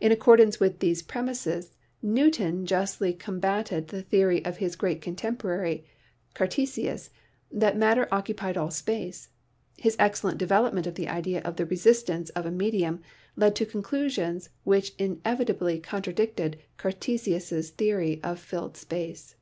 In accordance with these premises, Newton justly com bated the theory of his great contemporary, Cartesius, that matter occupied all space. His excellent development of the idea of the resistance of a medium led to conclusions which inevitably contradicted Cartesius' theory of filled space.